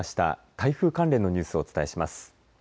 台風関連のニュースをお伝えします。